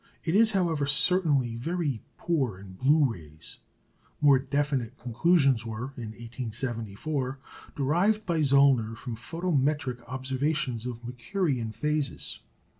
It is, however, certainly very poor in blue rays. More definite conclusions were, in 1874, derived by Zöllner from photometric observations of Mercurian phases.